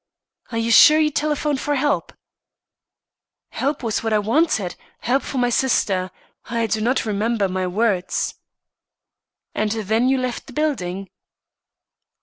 "Are you sure you telephoned for help?" "Help was what I wanted help for my sister. I do not remember my words." "And then you left the building?"